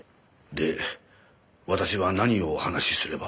で私は何をお話しすれば。